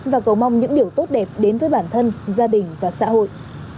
và cầu mong những điều tốt đẹp đến với bản thân gia đình và xã hội